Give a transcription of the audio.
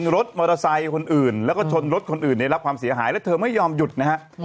รถมอเตอร์ไซค์คนอื่นแล้วก็ชนรถคนอื่นได้รับความเสียหายแล้วเธอไม่ยอมหยุดนะฮะ